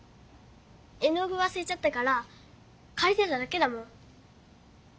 絵の具わすれちゃったからかりてただけだもん。